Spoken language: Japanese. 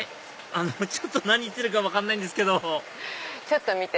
ちょっと何言ってるか分かんないんですけどちょっと見て！